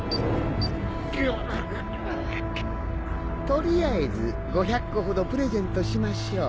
取りあえず５００個ほどプレゼントしましょう。